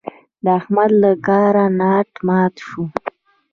د احمد له کاره ناټ مات شو.